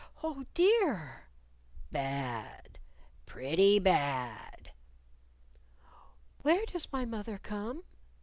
"Oh, dear!" "Bad! Pretty bad!" "Where does my moth er come?"